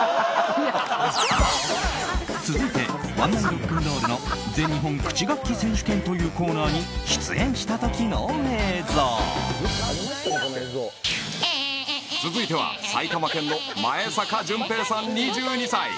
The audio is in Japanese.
続いて、「ワンナイＲ＆Ｒ」の全日本クチ楽器選手権というコーナーに出演した時の映像。続いては埼玉県の前坂淳平さん、２２歳。